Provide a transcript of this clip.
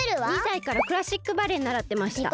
２さいからクラシックバレエならってました。